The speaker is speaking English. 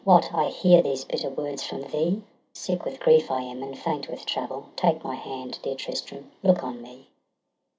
What, I hear these bitter words from thee? Sick with grief I am, and faint with travel — Take my hand — dear Tristram, look on me